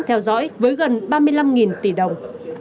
theo dõi với gần ba mươi năm tỷ đồng